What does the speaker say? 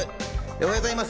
おはようございます。